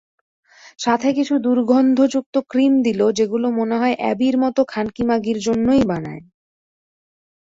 সাথে কিছু দুর্গন্ধযুক্ত ক্রিম দিল যেগুলা মনেহয় অ্যাবির মত খানকি মাগির জন্যই বানায়।